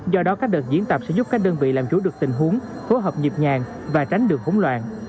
do đó các đợt diễn tập sẽ giúp các đơn vị làm chủ được tình huống phối hợp nhịp nhàng và tránh được hỗn loạn